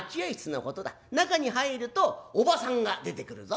中に入るとおばさんが出てくるぞ」。